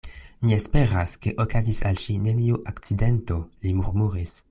Mi esperas, ke okazis al ŝi neniu akcidento, li murmuris.